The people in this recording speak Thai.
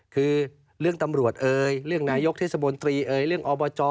คือเรื่องตำรวจเอ่ยเรื่องนายกเทศบนตรีเอ่ยเรื่องอบจ